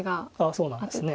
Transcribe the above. そうなんですね。